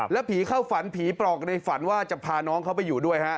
แล้วผีเข้าฝันผีปลอกในฝันว่าจะพาน้องเขาไปอยู่ด้วยฮะ